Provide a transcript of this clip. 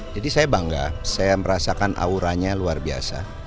jadi saya bangga saya merasakan auranya luar biasa